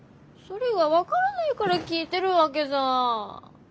それが分からないから聞いてるわけさぁ。